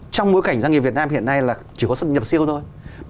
trong mối cảnh doanh nghiệp việt nam hiện nay là chỉ có xuất nhập siêu thôi